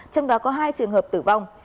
trong đó có hai trường hợp tử vong